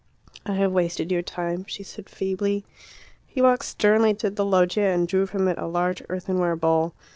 "I have wasted your time," she said feebly. He walked sternly to the loggia and drew from it a large earthenware bowl.